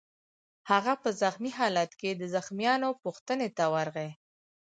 هغه په زخمي خالت کې د زخمیانو پوښتنې ته ورغی